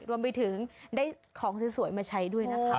รวมไปถึงได้ของสวยมาใช้ด้วยนะคะ